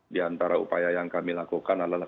di antara upaya yang kami lakukan adalah